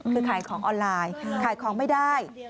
คือขายของออนไลน์ขายของไม่ได้